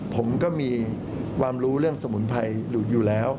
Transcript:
ผมก็มีความรู้เรื่องสมุนไพรอยู่แล้ว